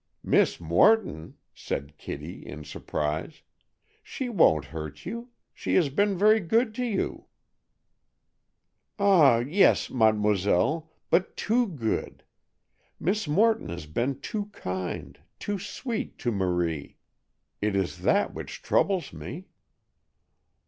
"Miss Morton?" said Kitty, in surprise. "She won't hurt you; she has been very good to you." "Ah, yes, mademoiselle; but too good. Miss Morton has been too kind, too sweet, to Marie! It is that which troubles me."